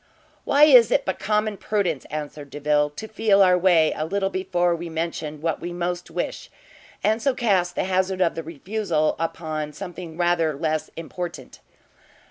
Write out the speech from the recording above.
"Why it is but common prudence," answered Delvile, "to feel our way a little before we mention what we most wish, and so cast the hazard of the refusal upon something rather less important."